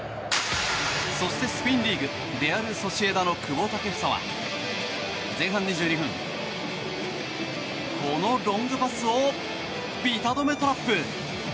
そしてスペインリーグレアル・ソシエダの久保建英は前半２２分、このロングパスをビタ止めトラップ。